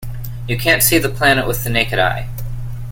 You can't see the planet with the naked eye.